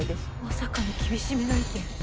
まさかの厳しめの意見。